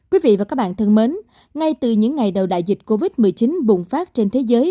quý vị và các bạn thân mến ngay từ những ngày đầu đại dịch covid một mươi chín bùng phát trên thế giới